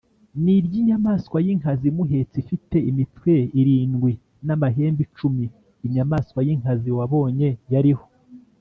N iry inyamaswa y inkazi imuhetse ifite imitwe irindwi n amahembe icumi inyamaswa y inkazi wabonye yariho